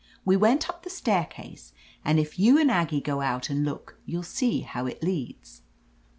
"We went up the staircase, and if you and Aggie go out and look, you'll see how it leads.